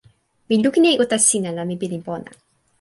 mi lukin e uta sina la mi pilin pona.